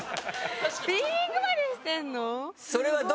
ピーリングまでしてるの？